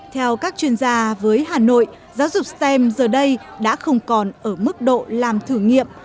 theo các chuyên gia với hà nội giáo dục stem giờ đây đã không còn ở mức độ làm thử nghiệm